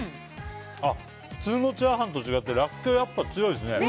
普通のチャーハンと違ってらっきょうが強いですね。